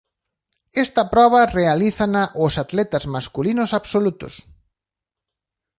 Esta proba realízana os atletas masculinos absolutos.